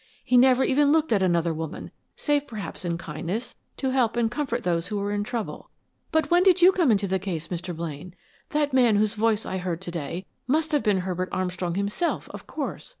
He never even looked at another woman, save perhaps in kindness, to help and comfort those who were in trouble. But when did you come into the case, Mr. Blaine? That man whose voice I heard to day must have been Herbert Armstrong himself, of course.